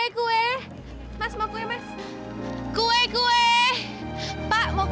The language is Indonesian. terima kasih mbak